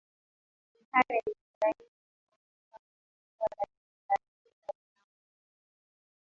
Buhari alijitahidi kukomesha kundi hilo Jeshi la Nigeria lina jukumu